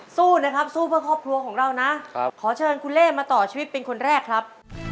สู้นะครับสู้เพื่อครอบครัวของเรานะขอเชิญคุณเล่มาต่อชีวิตเป็นคนแรกครับ